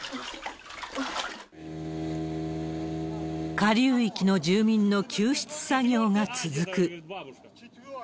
下流域の住民の救出作業が続く。